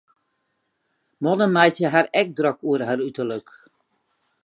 Mannen meitsje har ek drok oer har uterlik.